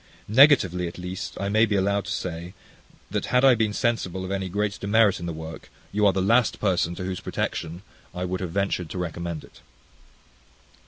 Negatively, at least, I may be allowed to say, that had I been sensible of any great demerit in the work, you are the last person to whose protection I would have ventured to recommend it.